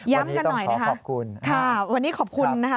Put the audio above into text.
วันนี้ต้องขอขอบคุณ